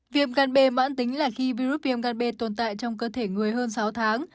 viêm ngăn bê mãn tính là khi virus viêm ngăn bê tồn tại trong cơ thể người hơn sáu tháng